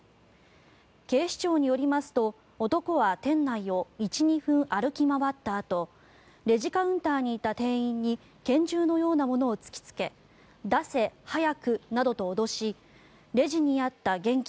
警視庁によりますと、男は店内を１２分歩き回ったあとレジカウンターにいた店員に拳銃のようなものを突きつけ出せ、早くなどと脅しレジにあった現金